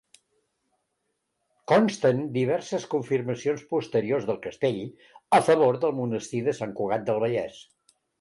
Consten diverses confirmacions posteriors del castell, a favor del monestir de Sant Cugat del Vallès.